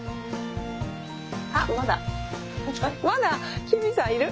あまだまだキミさんいる！